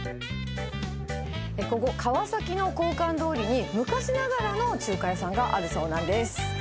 ここ川崎の鋼管通に昔ながらの中華屋さんがあるそうなんです。